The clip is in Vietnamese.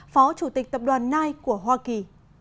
phó chủ tịch tập đoàn nike của hoa kỳ